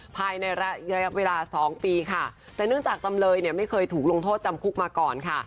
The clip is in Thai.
ภายในระยะเวลาสองปีค่ะแต่เนื่องจากจำเลยเนี่ยไม่เคยถูกลงโทษจำคุกมาก่อนค่ะ